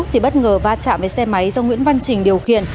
thì bất ngờ va chạm với xe máy do nguyễn văn trình điều khiển